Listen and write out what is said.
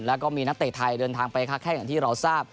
แล้วก็มีนักเตะไทยเดินทางไปค้าแข้งอย่างที่เราทราบ